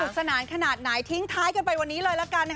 สนานขนาดไหนทิ้งท้ายกันไปวันนี้เลยละกัน